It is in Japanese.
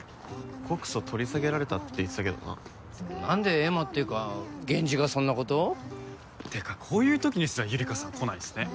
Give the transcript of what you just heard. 告訴取り下げられたって言ってたけどな何でエマっていうかゲンジがそんなこと？ってかこういうときですらゆりかさん来ないんすね